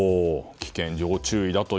危険、要注意だと。